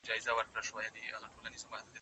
که مثال ډېر وي، پوهه لوړېږي.